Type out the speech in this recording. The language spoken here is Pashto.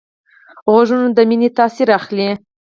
غوږونه د مینې تاثر اخلي